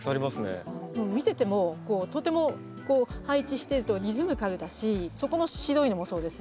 見ててもとても配置してるとリズミカルだしそこの白いのもそうですし。